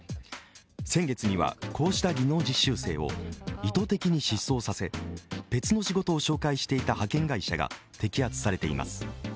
先月にはこうした技能実習生を意図的に失踪させ別の仕事を紹介していた派遣会社が摘発されています。